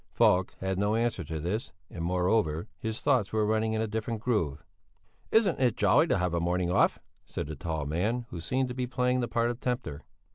Falk had no answer to this, and moreover, his thoughts were running in a different groove. "Isn't it jolly to have a morning off?" said the tall man, who seemed to be playing the part of tempter.